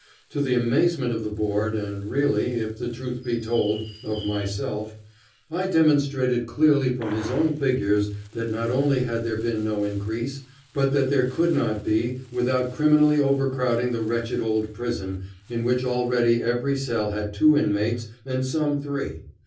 To the amazement of the Board, and really, if the truth be told, of myself, I demonstrated clearly from his own figures that not only had there been no increase, but that there could not be without criminally overcrowding the wretched old prison, in which already every cell had two inmates, and some three.